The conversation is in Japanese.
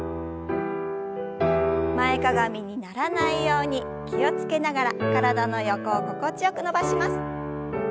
前かがみにならないように気を付けながら体の横を心地よく伸ばします。